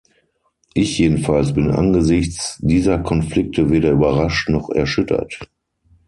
Ich jedenfalls bin angesichts dieser Konflikte weder überrascht noch erschüttert.